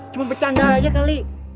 cuma bercanda aja kali